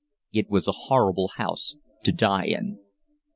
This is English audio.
It was a horrible house to die in.